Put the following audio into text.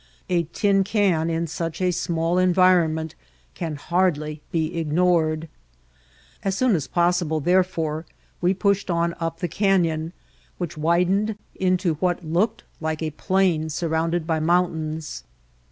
A tin can in such a small environment can hardly be ignored. As soon as possible therefore, we pushed on up the canyon which widened into what looked like a plain surrounded by mountains.